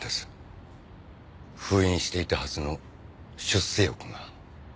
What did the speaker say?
封印していたはずの出世欲が。